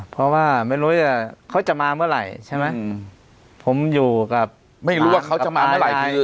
เพราะว่าไม่รู้เขาจะมาเมื่อไหร่ใช่ไหมผมอยู่กับไม่รู้ว่าเขาจะมาเมื่อไหร่คือ